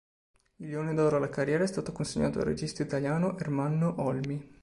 Il Leone d'oro alla carriera è stato consegnato al regista italiano Ermanno Olmi.